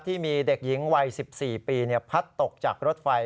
ที่มีเด็กหญิงวัย๑๔ปีพัดตกจากรถไฟ